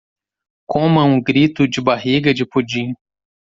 Coma um grito de barriga de pudim